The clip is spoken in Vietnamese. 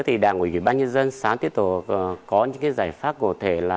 thì đảng ủy bác nhân dân sáng tiếp tục có những cái giải pháp cổ thể là